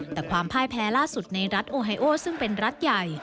แต่ความพ่ายแพ้ล่าสุดในรัฐโอไฮโอซึ่งเป็นรัฐใหญ่